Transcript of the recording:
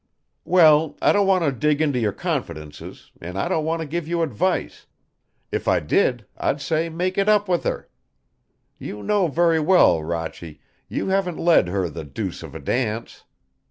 "Well, I don't want to dig into your confidences, and I don't want to give you advice. If I did, I'd say make it up with her. You know very well, Rochy, you have led her the deuce of a dance.